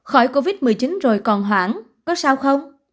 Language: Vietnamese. khỏi covid một mươi chín rồi còn hoảng có sao không